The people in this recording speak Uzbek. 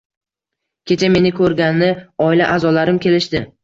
Kecha meni ko`rgani oila a`zolarim kelishdi